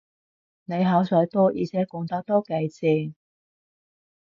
你口水多，而且講得都幾正